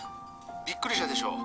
びっくりしたでしょう？